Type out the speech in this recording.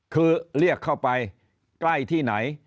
คือเรียกเข้าไปใกล้ที่ไหน